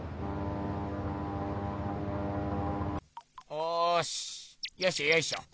おしよいしょよいしょ。